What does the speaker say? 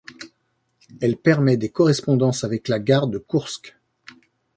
Elle permet des correspondances avec la gare de Koursk.